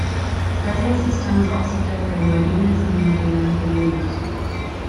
Sizing systems also differ in what units of measurement they use.